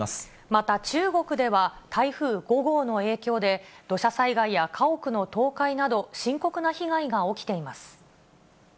また中国では、台風５号の影響で、土砂災害や家屋の倒壊など、深刻な被害が起きています。